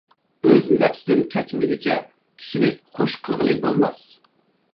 ئۆز نەپسىدىن كەچمىگۈچە، كىشىنى خۇش قىلغىلى بولماس.